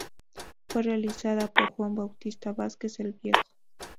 Fue realizada por Juan Bautista Vázquez el Viejo.